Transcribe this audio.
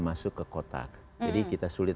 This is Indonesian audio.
masuk ke kotak jadi kita sulit